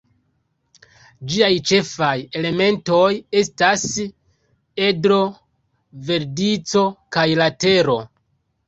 Ĝiaj ĉefaj elementoj estas: edro, vertico kaj latero.